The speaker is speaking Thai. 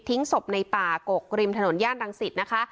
ศพในป่ากกริมถนนย่านรังสิตนะคะ